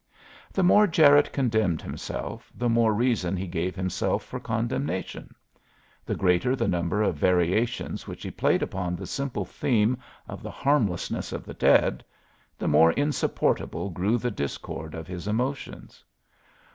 The more Jarette condemned himself, the more reason he gave himself for condemnation; the greater the number of variations which he played upon the simple theme of the harmlessness of the dead, the more insupportable grew the discord of his emotions.